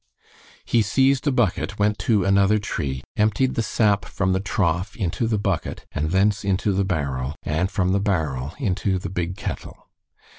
He seized a bucket, went to another tree, emptied the sap from the trough into the bucket, and thence into the barrel, and from the barrel into the big kettle.